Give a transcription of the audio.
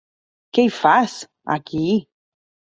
Què hi fas, aquí?